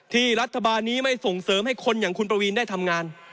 รัฐบาลนี้ไม่ส่งเสริมให้คนอย่างคุณประวีนได้ทำงาน